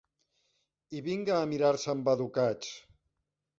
...i vinga a mirar-se embadocats